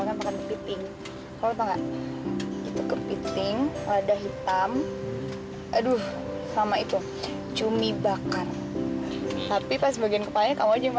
sampai kapan sih kamu mau nyakitkan aku terus sampai kapan coba